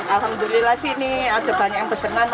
alhamdulillah ini ada banyak yang pesanan